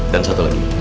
dan satu lagi